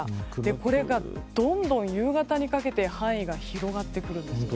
これがどんどん夕方にかけて範囲が広がってきます。